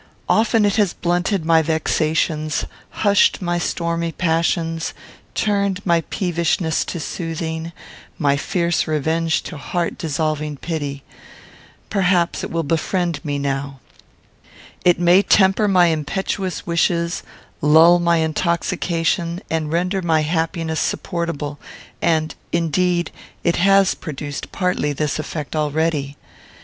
Often it has blunted my vexations; hushed my stormy passions; turned my peevishness to soothing; my fierce revenge to heart dissolving pity. Perhaps it will befriend me now. It may temper my impetuous wishes; lull my intoxication; and render my happiness supportable; and, indeed, it has produced partly this effect already.